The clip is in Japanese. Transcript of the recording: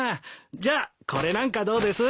じゃあこれなんかどうです？